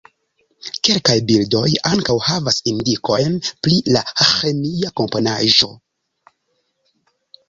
Kelkaj bildoj ankaŭ havas indikojn pri la ĥemia komponaĵo.